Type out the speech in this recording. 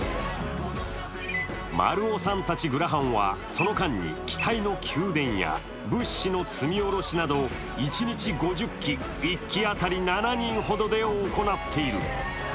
丸尾さんたちグラハンは、その間に機体の給電や物資の積み下ろしなど一日５０機、１機当たり７人ほどで行っている。